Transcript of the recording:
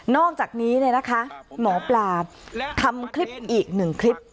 อกจากนี้หมอปลาทำคลิปอีกหนึ่งคลิป